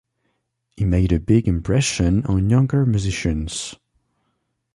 He made a big impression on younger musicians.